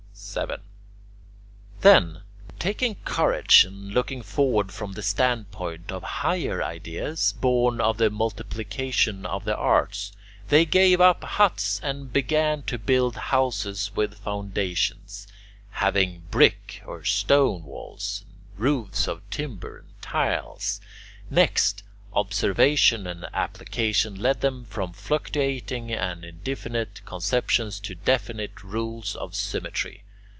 7. Then, taking courage and looking forward from the standpoint of higher ideas born of the multiplication of the arts, they gave up huts and began to build houses with foundations, having brick or stone walls, and roofs of timber and tiles; next, observation and application led them from fluctuating and indefinite conceptions to definite rules of symmetry.